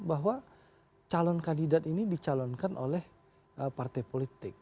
bahwa calon kandidat ini dicalonkan oleh partai politik